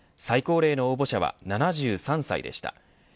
最高齢の応募者は７３歳でした。